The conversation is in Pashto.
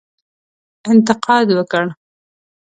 انتقاد وکړ.